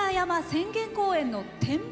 浅間公園の展望